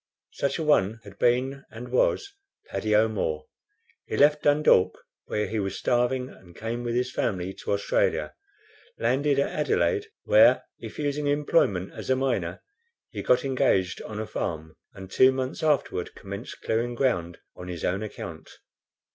Such a one had been and was Paddy O'Moore. He left Dundalk, where he was starving, and came with his family to Australia, landed at Adelaide, where, refusing employment as a miner, he got engaged on a farm, and two months afterward commenced clearing ground on his own account.